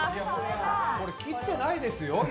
これ、切ってないですよ。